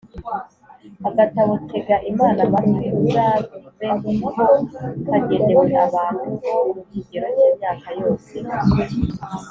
Agatabo Tega Imana amatwi uzabeho kagenewe abantu bo mu kigero cy’imyaka yose